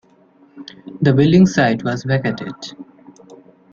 The building site was vacated.